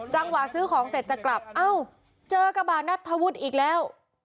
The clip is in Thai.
จังหวะซื้อของเสร็จจะกลับเอ้าเจอกระบาดนัทธวุฒิอีกแล้ว